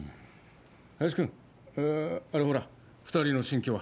林君あれほら２人の新居は？